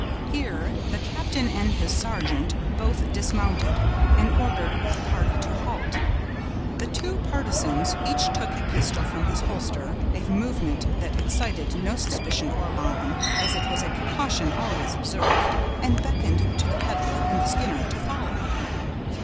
Here the captain and his sergeant both dismounted, and ordered the party to halt. The two partisans each took a pistol from his holster, a movement that excited no suspicion or alarm, as it was a precaution always observed, and beckoned to the peddler and the Skinner to follow.